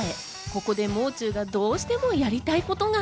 ここでもう中がどうしてもやりたいことが。